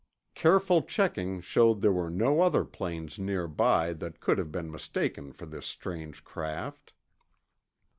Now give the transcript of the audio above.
Careful checking showed there were no other planes nearby that could have been mistaken for this strange craft.